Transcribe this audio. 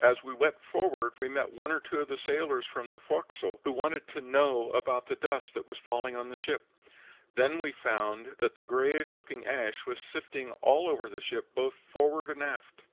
As we went forward we met one or two of the sailors from the forecastle, who wanted to know about the dust that was falling on the ship. Then we found that the grayish looking ash was sifting all over the ship, both forward and aft.